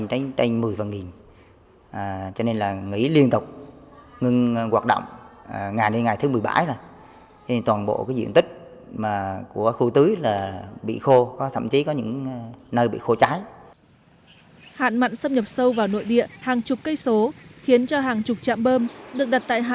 hạn mặn xâm nhập sâu vào nội địa hàng chục cây số khiến cho hàng chục chạm bơm được đặt tại hà